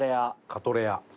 カトレア。